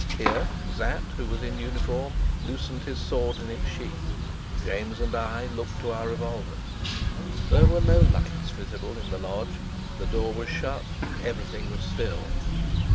Here Sapt, who was in uniform, loosened his sword in its sheath; James and I looked to our revolvers. There were no lights visible in the lodge; the door was shut; everything was still.